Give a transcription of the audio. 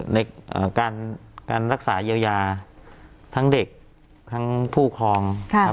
ในการรักษาเยียวยาทั้งเด็กทั้งผู้ครองครับ